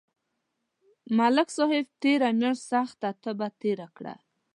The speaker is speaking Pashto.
ملک صاحب تېره میاشت سخته تبه تېره کړه